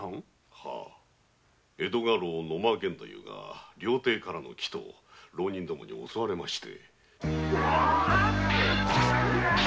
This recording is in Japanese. はぁ江戸家老野間源太夫が料亭からの帰途浪人どもに襲われまして。